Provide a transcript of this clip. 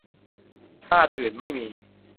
ชาติอื่นไม่มี